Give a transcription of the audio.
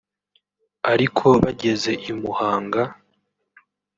ariko bageze i Muhanga